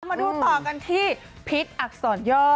มาดูต่อกันที่พิษอักษรย่อ